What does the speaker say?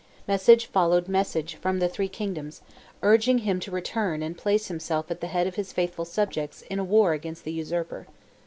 Message followed message from the three kingdoms, urging him to return and place himself at the head of his faithful subjects in a war against the usurper.